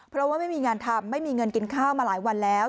เพราะว่าไม่มีงานทำไม่มีเงินกินข้าวมาหลายวันแล้ว